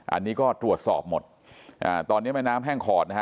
อันนี้ก็ตรวจสอบหมดอ่าตอนนี้แม่น้ำแห้งขอดนะฮะ